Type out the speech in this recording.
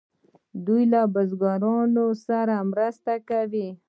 دوی له بزګرانو سره مرسته کوي.